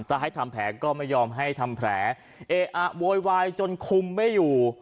ถ้าให้ทำแผลก็ไม่ยอมให้ทำแผลเออะโวยวายจนคุมไม่อยู่